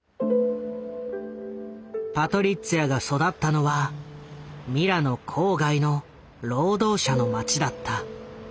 パトリッツィアが育ったのはミラノ郊外の労働者の町だった。